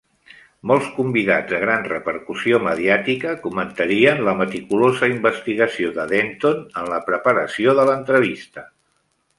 Molts convidats de gran repercussió mediàtica comentarien la meticulosa investigació de Denton en la preparació de l'entrevista.